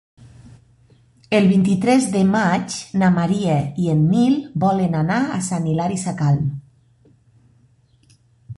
El vint-i-tres de maig na Maria i en Nil volen anar a Sant Hilari Sacalm.